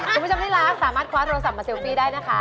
คุณผู้ชมที่รักสามารถคว้าโทรศัพท์มาเซลฟี่ได้นะคะ